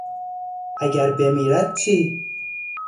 اگر بمیرد چی!